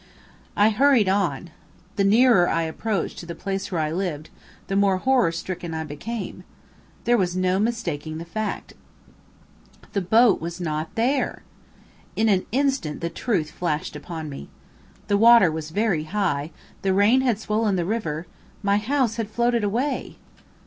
I hurried on. The nearer I approached the place where I lived, the more horror stricken I became. There was no mistaking the fact. The boat was not there! In an instant the truth flashed upon me. The water was very high the rain had swollen the river my house had floated away!